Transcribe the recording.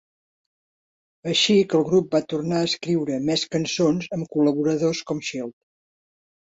Així que el grup va tornar a escriure més cançons amb col·laboradors com Child.